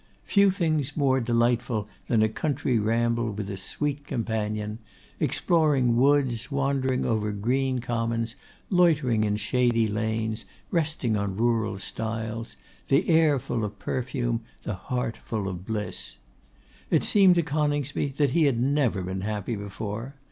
Few things more delightful than a country ramble with a sweet companion! Exploring woods, wandering over green commons, loitering in shady lanes, resting on rural stiles; the air full of perfume, the heart full of bliss! It seemed to Coningsby that he had never been happy before.